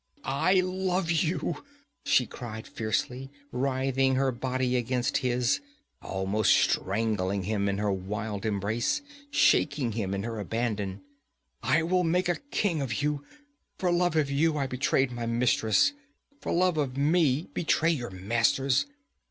'I love you!' she cried fiercely, writhing her body against his, almost strangling him in her wild embrace, shaking him in her abandon. 'I will make a king of you! For love of you I betrayed my mistress; for love of me betray your masters!